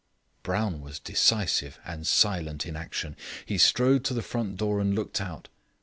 Brown was decisive and silent in action. He strode to the front door and looked out.